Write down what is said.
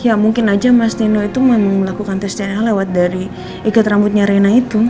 ya mungkin aja mas nino itu memang melakukan tes dna lewat dari ikat rambutnya rina itu